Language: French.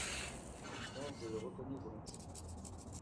Or je le reconnais volontiers.